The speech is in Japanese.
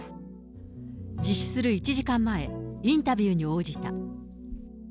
自首する１時間前、インタビューに応じた。